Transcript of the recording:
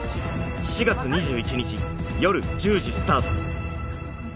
４月２１日よる１０時スタート